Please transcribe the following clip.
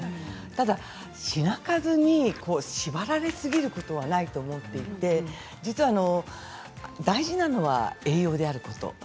ただ品数に縛られすぎることはないと思っていて実は大事なのは栄養であること。